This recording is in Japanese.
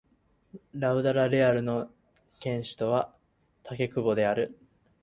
シウダ・レアル県の県都はシウダ・レアルである